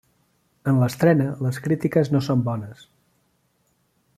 En l'estrena, les crítiques no són bones.